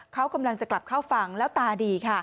เขากำลังจะกลับเข้าฝั่งแล้วตาดีค่ะ